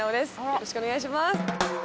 よろしくお願いします。